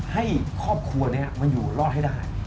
ให้ครอบครัวนี้มันอยู่รอดให้ได้